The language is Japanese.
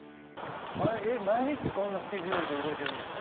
毎日こんなスケジュールで動いてるんですか？